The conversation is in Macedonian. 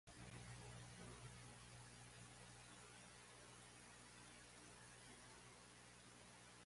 Неа ја нарекол јафетска теорија за јазикот.